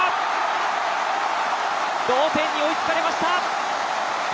同点に追いつかれました。